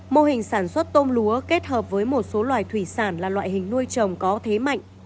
mô hình sản xuất tôm lúa kết hợp với một số loài thủy sản là loại hình nuôi trồng có thế mạnh